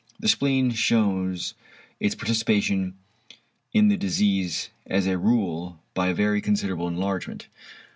The spleen shews its participation in the disease, as a rule by very considerable enlargement.